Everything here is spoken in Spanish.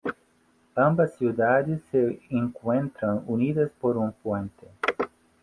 Ambas ciudades se encuentran unidas por un puente.